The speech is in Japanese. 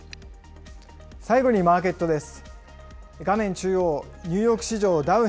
最後にマーケットです。